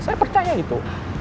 saya percaya itu